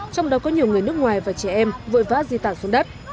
trong đó có nhiều người nước ngoài và trẻ em vội vã di tản xuống đất